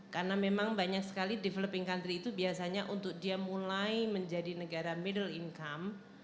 karena memang banyak sekali developing country itu biasanya untuk dia mulai menjadi negara middle income